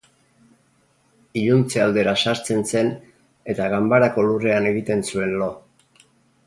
Iluntze aldera sartzen zen eta ganbarako lurrean egiten zuen lo.